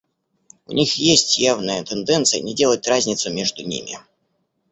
У них есть явная тенденция не делать разницы между ними.